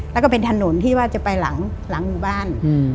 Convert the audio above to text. แล้วก็เป็นถนนที่ว่าจะไปหลังหมู่บ้าน